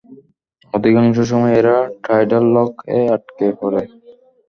অধিকাংশ সময়ই এরা টাইডাল লক- এ আটকে পড়ে।